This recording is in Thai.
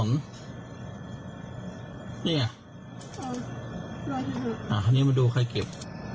เนี้ยนี่มาดูใครเก็บ